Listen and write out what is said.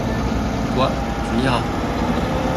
Toi, tu liras.